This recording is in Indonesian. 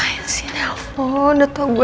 lo gak akan ditangkap